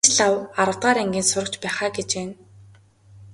Энэ ч лав аравдугаар ангийн сурагч байх аа гэж байна.